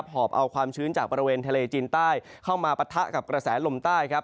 หอบเอาความชื้นจากบริเวณทะเลจีนใต้เข้ามาปะทะกับกระแสลมใต้ครับ